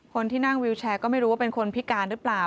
คนที่นั่งวิวแชร์ก็ไม่รู้ว่าเป็นคนพิการหรือเปล่า